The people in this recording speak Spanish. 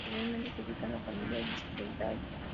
Anteriormente se ubicaba en la familia Sylviidae.